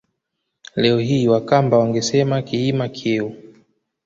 Leo hii Wakamba wangesema Kiima Kyeu